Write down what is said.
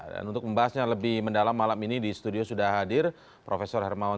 dan untuk membahasnya lebih mendalam malam ini di studio sudah hadir prof herb harman